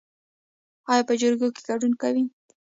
ایا په جرګو کې ګډون کوئ؟